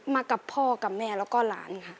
มากับพ่อกับแม่แล้วก็หลานค่ะ